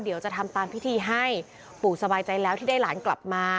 เดี๋ยวจะทำตามพิธีให้ปู่สบายใจแล้วที่ได้หลานกลับมา